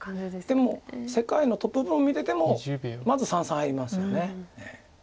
でも世界のトッププロ見ててもまず三々入りますよね。